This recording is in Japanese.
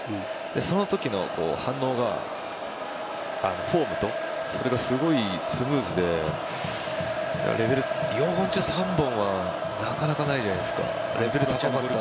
そのときの反応がフォームとすごいスムーズで４本中３本はなかなかないじゃないですか。